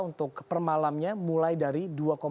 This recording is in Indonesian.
untuk permalamnya mulai dari dua lima